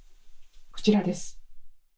こちらです。